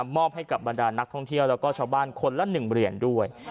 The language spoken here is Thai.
มอบให้กับบรรดานักท่องเที่ยวแล้วก็ชาวบ้านคนละ๑เหรียญด้วย